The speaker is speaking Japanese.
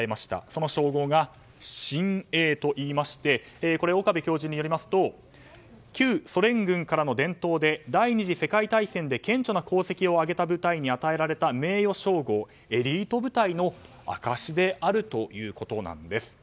その称号が、親衛といいまして岡部教授によりますと旧ソ連軍からの伝統で第２次世界大戦で顕著な功績を挙げた部隊に与えられた名誉称号エリート部隊の証しであるということなんです。